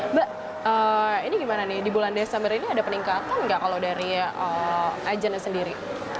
mbak ini gimana nih di bulan desember ini ada peningkatan nggak kalau dari agentnya sendiri